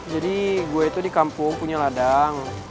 jadi gue itu di kampung punya ladang